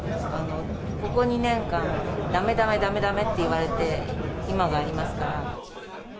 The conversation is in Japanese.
ここ２年間、だめだめだめだめって言われて、今がありますから。